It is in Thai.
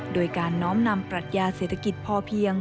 โดยการน้อมนำปรัชญาเศรษฐกิจพอเพียง